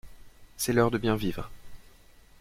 C’est l’heure de bien vivre.